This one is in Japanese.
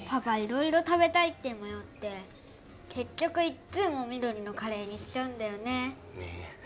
色々食べたいって迷って結局いっつも緑のカレーにしちゃうんだよねね